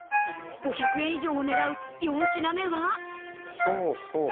５００円以上をねらう４品目は。